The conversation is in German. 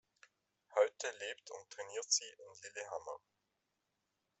Heute lebt und trainiert sie in Lillehammer.